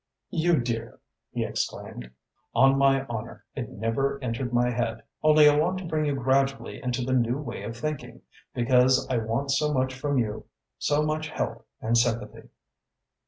"You dear!" he exclaimed. "On my honour, it never entered into my head. Only I want to bring you gradually into the new way of thinking, because I want so much from you so much help and sympathy."